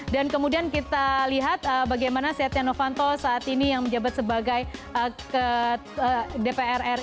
kemudian kita lihat bagaimana setia novanto saat ini yang menjabat sebagai dpr ri